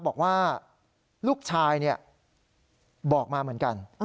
บอกว่าลูกชายบอกมาเหมือนกัน